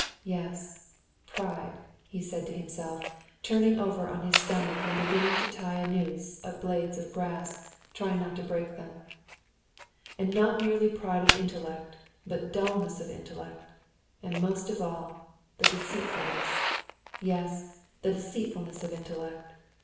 Yes, pride," he said to himself, turning over on his stomach and beginning to tie a noose of blades of grass, trying not to break them. "And not merely pride of intellect, but dulness of intellect. And most of all, the deceitfulness; yes, the deceitfulness of intellect.